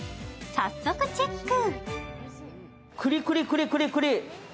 早速チェック。